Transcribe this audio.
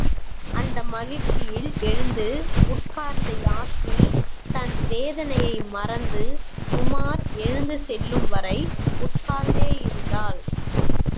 அந்த மகிழ்ச்சியில் எழுந்து உட்கார்ந்த யாஸ்மி தன் வேதனையை மறந்து உமார் எழுந்து செல்லும் வரை உட்கார்ந்தேயிருந்தாள்.